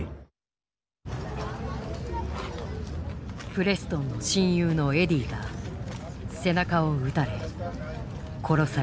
プレストンの親友のエディが背中を撃たれ殺された。